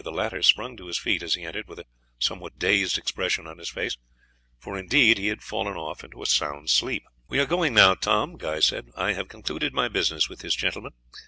The latter sprung to his feet as he entered with a somewhat dazed expression on his face, for indeed, he had fallen off into a sound sleep. "We are going now, Tom," Guy said. "I have concluded my business with this gentleman.